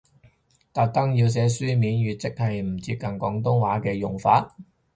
特登要寫書面語，即係唔接近廣東話嘅用法？